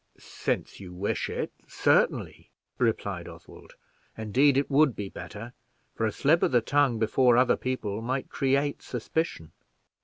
"Since you wish it, certainly," replied Oswald; "indeed it would be better, for a slip of the tongue before other people might create suspicion."